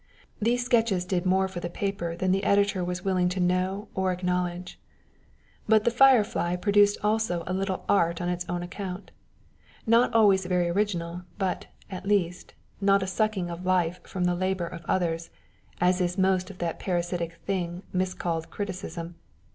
These sketches did more for the paper than the editor was willing to know or acknowledge. But "The Firefly" produced also a little art on its own account not always very original, but, at least, not a sucking of life from the labor of others, as is most of that parasitic thing miscalled criticism.